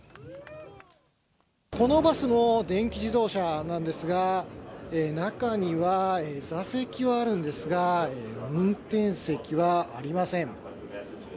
このバスも電気自動車なんですが、中には座席はあるんですが、運転席はありません。